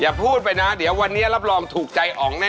พูดไปนะเดี๋ยววันนี้รับรองถูกใจอ๋องแน่